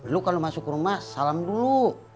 lu kalau masuk ke rumah salam dulu